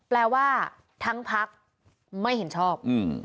แปลว่าทั้งพักไม่เห็นชอบ